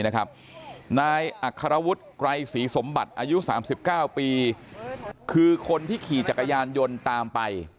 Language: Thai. นายอัครวุฒิไกรศรีสมบัติอายุ๓๙ปีคือคนที่ขี่จักรยานยนต์ตามไป